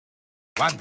「ワンダ」